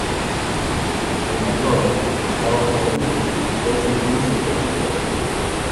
El mayor, Gustavo Federico, es el príncipe heredero.